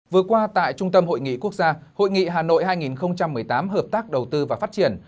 vừa qua tại trung tâm hội nghị quốc gia hội nghị hà nội hai nghìn một mươi tám hợp tác đầu tư và phát triển